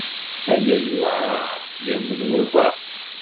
Aya yewɛeṛ ad t-yamen walbaɛḍ.